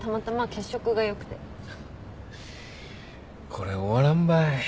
これ終わらんばい。